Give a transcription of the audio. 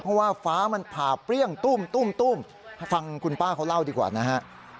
เพราะว่าฟ้ามันผ่าเปรี้ยงตุ้มฟังคุณป้าเขาเล่าดีกว่านะฮะ